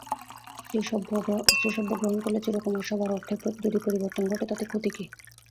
স্ত্রীসভ্য গ্রহণ করলে চিরকুমার-সভার অর্থের যদি পরিবর্তন ঘটে তাতে ক্ষতি কী?